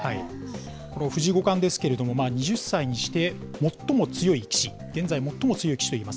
この藤井五冠ですけれども、２０歳にして最も強い棋士、現在最も強い棋士といいます。